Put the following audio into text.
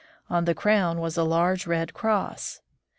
On the crown was a large red cross.